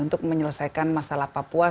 untuk menyelesaikan masalah papua